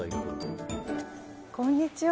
こんにちは。